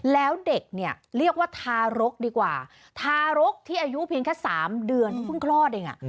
แล้วเด็กเนี่ยเรียกว่าทารกดีกว่าทารกที่อายุเพียงแค่๓เดือนเขาเพิ่งคลอดเอง